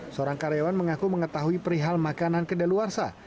seorang karyawan mengaku mengetahui perihal makanan ke daluarsa